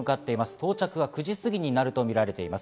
到着は９時過ぎになるとみられています。